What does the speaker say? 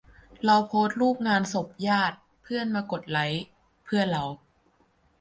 เราโพสต์รูปงานศพญาติ เพื่อนมากดไลก์ เพื่อนเรา